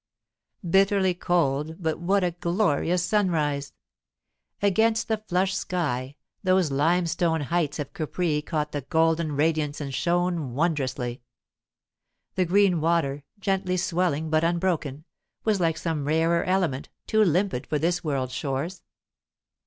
Bitterly cold, but what a glorious sunrise! Against the flushed sky, those limestone heights of Capri caught the golden radiance and shone wondrously. The green water, gently swelling but unbroken, was like some rarer element, too limpid for this world's shores.